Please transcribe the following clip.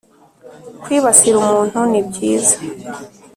kwibasira umuntu ni byiza